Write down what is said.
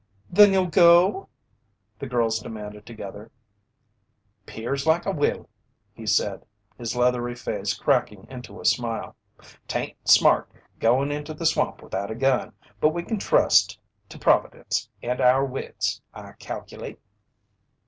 "Then you'll go?" the girls demanded together. "'Pears like I will," he said, his leathery face cracking into a smile. "'Tain't smart going into the swamp without a gun, but we kin trust to Providence an' our wits, I calculate."